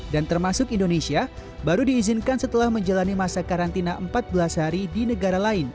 dan termasuk indonesia baru diizinkan setelah menjalani masa karantina empat belas hari di negara lain